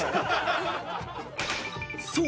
［そう！